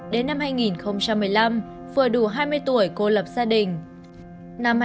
đến năm hai nghìn một mươi năm vừa đủ hai mươi tuổi cô lập gia đình